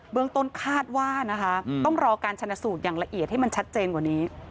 เมืองต้นคาดว่านะคะต้องรอการชนะสูตรอย่างละเอียดให้มันชัดเจนกว่านี้